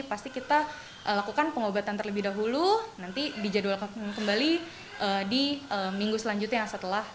pasti kita lakukan pengobatan terlebih dahulu nanti dijadwalkan kembali di minggu selanjutnya setelah